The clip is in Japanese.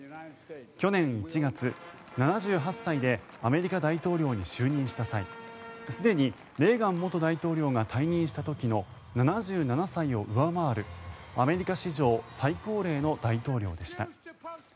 去年１月、７８歳でアメリカ大統領に就任した際すでにレーガン元大統領が退任した時の７７歳を上回るアメリカ史上最高齢の大統領でした。